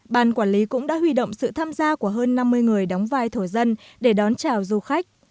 ban quản lý cũng đã huy động sự tham gia của hơn năm mươi người đóng vai thổ dân để đón chào du khách